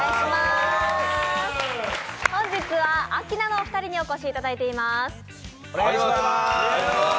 本日はアキナのお二人にお越しいただいています。